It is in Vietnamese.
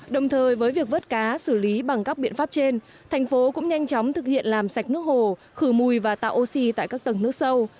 đồng thời với việc vớt cá xử lý bằng các biện pháp trên thành phố cũng nhanh chóng thực hiện làm sạch nước hồ khử mùi và tạo oxy tại các tầng nước sâu